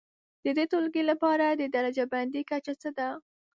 د دې ټولګي لپاره د درجه بندي کچه څه ده؟